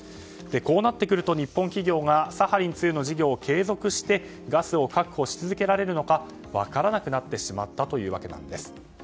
こうなってくると日本がサハリン２の事業を継続してガスを確保し続けられるのか分からなくなってしまったわけなんです。